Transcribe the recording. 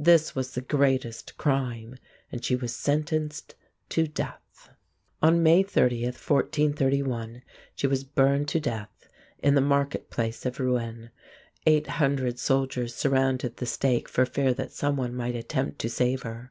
This was the greatest crime, and she was sentenced to death. On May 30, 1431, she was burned to death in the marketplace of Rouen. Eight hundred soldiers surrounded the stake for fear that someone might attempt to save her.